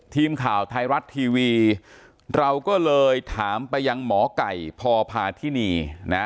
ทีมข่าวไทยรัฐทีวีเราก็เลยถามไปยังหมอไก่พพาธินีนะ